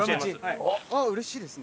うれしいですね。